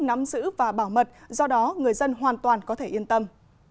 nắm giữ và bảo mật do đó người dân hoàn toàn có thể yên tâm